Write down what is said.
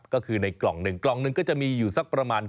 ก็คือในกล่องหนึ่งกล่องหนึ่งก็จะมีอยู่สักประมาณ